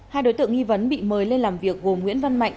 hai đối tượng nghi vấn bị mời lên làm việc gồm nguyễn văn mạnh